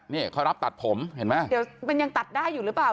นี่เขารับตัดผมเห็นไหมเดี๋ยวมันยังตัดได้อยู่หรือเปล่า